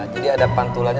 jadi ada pantulannya